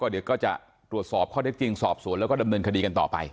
เดี๋ยวก็จะตรวจสอบข้อเท็จจริงสอบสวนแล้วก็ดำเนินคดีกันต่อไป